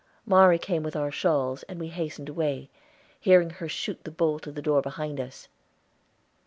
Mari came with our shawls, and we hastened away, hearing her shoot the bolt of the door behind us.